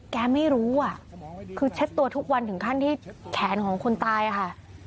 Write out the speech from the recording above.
แกไม่รู้อ่ะคือเช็ดตัวทุกวันถึงขั้นที่แขนของคนตายค่ะ